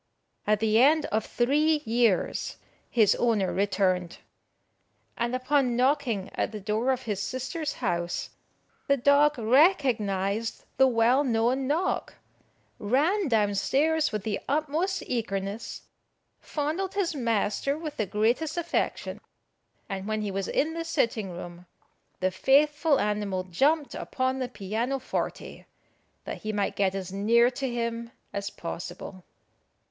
At the end of three years his owner returned, and upon knocking at the door of his sister's house, the dog recognised the well known knock, ran down stairs with the utmost eagerness, fondled his master with the greatest affection; and when he was in the sitting room, the faithful animal jumped upon the piano forte, that he might get as near to him as possible.